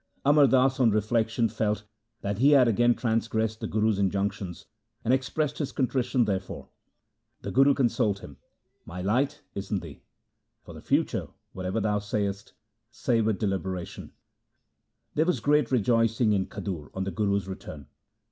Amar Das on reflection felt that he had again transgressed the Guru's injunctions, and expressed his contrition therefor. The Guru con soled him :' My light is in thee. For the future, whatever thou sayest, say with deliberation.' There was great rejoicing in Khadur on the Guru's return.